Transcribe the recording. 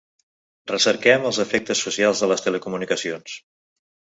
Recerquem els efectes socials de les telecomunicacions.